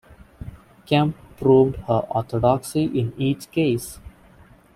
Kempe proved her orthodoxy in each case.